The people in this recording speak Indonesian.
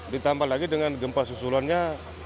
ditambah lagi dengan gempa susulannya